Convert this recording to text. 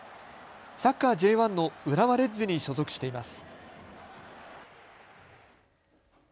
サッカーＪ１の浦和レッズに所属しています。